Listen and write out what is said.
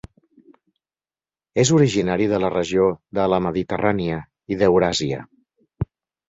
És originari de la regió de la Mediterrània i d'Euràsia.